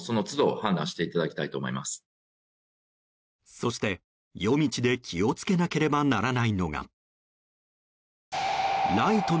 そして、夜道で気を付けなければならないのが。